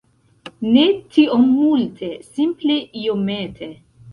Ne tiom multe, simple iomete